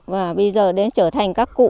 và bây giờ đến trở thành các cụ